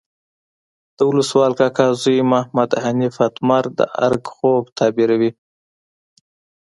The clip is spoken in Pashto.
د ولسوال کاکا زوی محمد حنیف اتمر د ارګ خوب تعبیروي.